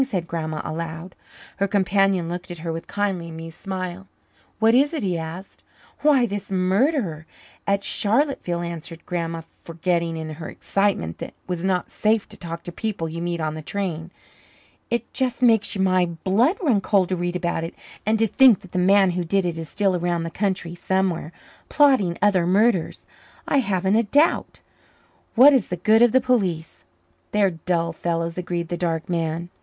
said Grandma aloud. Her companion looked at her with a kindly, amused smile. "What is it?" he asked. "Why, this murder at Charlotteville," answered Grandma, forgetting, in her excitement, that it was not safe to talk to people you meet on the train. "It just makes my blood run cold to read about it. And to think that the man who did it is still around the country somewhere plotting other murders, I haven't a doubt. What is the good of the police?" "They're dull fellows," agreed the dark man.